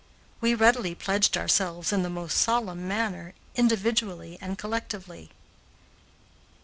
We readily pledged ourselves in the most solemn manner, individually and collectively.